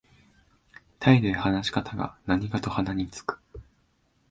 態度や話し方が何かと鼻につく